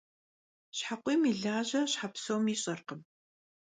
Şhe khuiym yi laje şhe pseum yiş'erkhım.